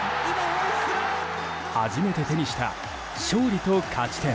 初めて手にした勝利と勝ち点。